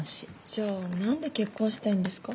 じゃあ何で結婚したいんですか？